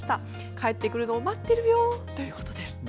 帰ってくるのを待ってるよということです。